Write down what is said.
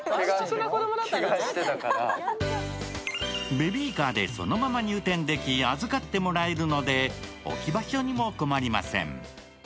ベビーカーでそのまま入店でき、預かってもらえるので置き場所にも困りません。